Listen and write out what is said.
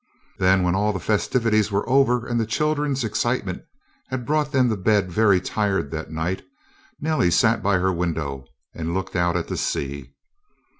Then, when all the festivities were over, and the children's excitement had brought them to bed very tired that night, Nellie sat by her window and looked out at the sea!